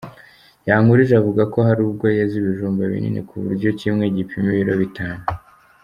Yankurije avuga ko hari ubwo yeza ibijumba binini ku buryo kimwe gipima ibiro bitanu.